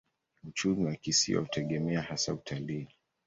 Uchumi wa kisiwa hutegemea hasa utalii.